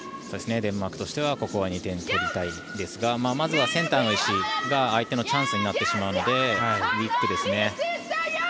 デンマークとしてはここは２点取りたいですがまずはセンターの石が相手のチャンスになってしまうのでウィックですね。